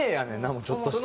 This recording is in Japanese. もうちょっとした。